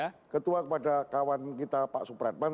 kita berikan ketua kepada kawan kita pak supratman